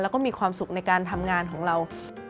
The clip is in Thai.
แล้วก็มีความสุขในการทำงานของเรา